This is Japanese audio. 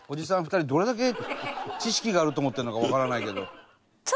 ２人がどれだけ知識があると思ってるのかわからないけど。